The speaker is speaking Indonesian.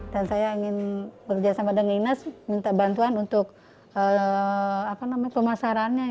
dan saya ingin bekerja sama dengan dinas minta bantuan untuk pemasarannya